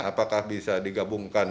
apakah bisa digantungkan